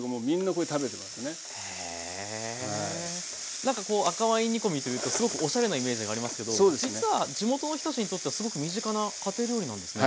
なんかこう赤ワイン煮込みというとすごくおしゃれなイメージがありますけど実は地元の人たちにとってはすごく身近な家庭料理なんですね。